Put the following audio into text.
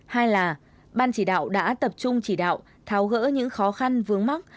hai là ban chỉ đạo đã tập trung chỉ đạo tháo gỡ những khó khăn vướng mắt